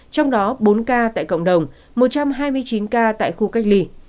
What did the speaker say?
trong đó bốn ca tại cộng đồng một trăm hai mươi chín ca tại khu cách ly